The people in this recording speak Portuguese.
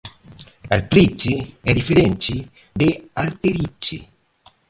Artrite é diferente de Arterite